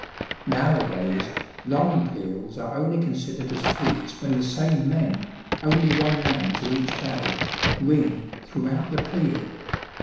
Nowadays long peals are only considered as feats when the same men only one man to each bell ring throughout the peal.